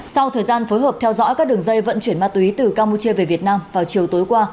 sau thời gian phối hợp theo dõi các đường dây vận chuyển ma túy từ campuchia về việt nam vào chiều tối qua